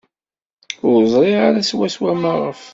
Ur ẓriɣ ara swaswa maɣef.